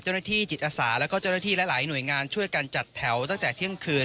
เจ้าหน้าที่จิตอาสาแล้วก็เจ้าหน้าที่หลายหน่วยงานช่วยกันจัดแถวตั้งแต่เที่ยงคืน